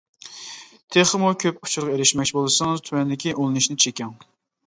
تېخىمۇ كۆپ ئۇچۇرغا ئېرىشمەكچى بولسىڭىز تۆۋەندىكى ئۇلىنىشنى چېكىڭ.